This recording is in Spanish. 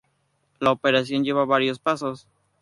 La operación lleva varios pasos.